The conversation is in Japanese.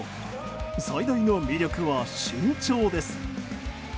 最大の魅力は身長です。